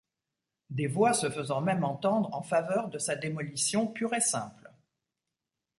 Des voix se faisant même entendre en faveur de sa démolition pure et simple.